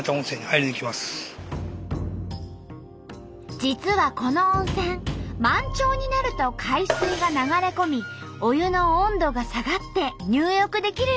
実はこの温泉満潮になると海水が流れ込みお湯の温度が下がって入浴できるようになるんです。